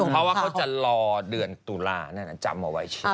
เพราะว่าเขาจะรอเดือนตุลานั่นจำเอาไว้ใช่ไหม